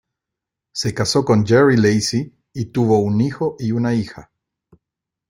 Se casó con Jerry Lacy y tuvo un hijo y una hija.